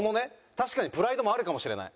確かにプライドもあるかもしれない。